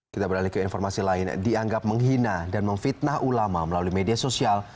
kita beralih ke informasi lain dianggap menghina dan memfitnah ulama melalui media sosial